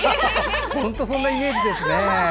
そんなイメージですね。